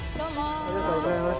ありがとうございます。